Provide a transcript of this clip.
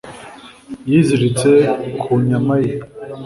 yiziritse ku nyama ye